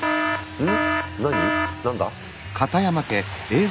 うん。